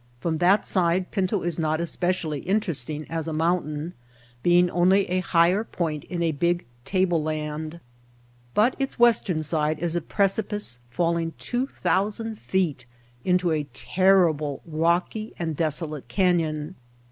From that side Pinto is not especially interesting as a mountain, being only a higher point in a big table land, but its western side is a precipice falling two thousand feet into a terribly rocky and desolate canyon.